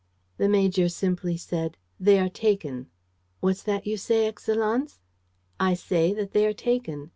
The major simply said: "They are taken." "What's that you say, Excellenz?" "I say, that they are taken.